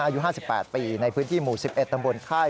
อายุ๕๘ปีในพื้นที่หมู่๑๑ตำบลค่าย